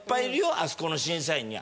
あそこの審査員には。